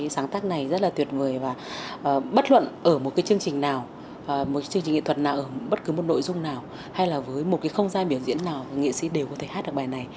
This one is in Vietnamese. sáng tác này rất là tuyệt vời và bất luận ở một chương trình nào một chương trình nghệ thuật nào ở bất cứ một nội dung nào hay là với một không gian biểu diễn nào nghệ sĩ đều có thể hát được bài này